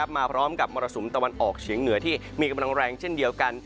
มาพร้อมกับมรสุมตะวันออกเฉียงเหนือที่มีกำลังแรงเช่นเดียวกัน